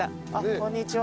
こんにちは。